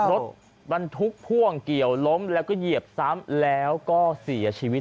รถบรรทุกพ่วงเกี่ยวล้มแล้วก็เหยียบซ้ำแล้วก็เสียชีวิต